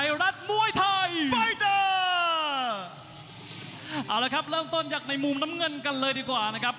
เอาล่ะครับเรามาดูในมุมแดงกันบ้างดีกว่านะครับ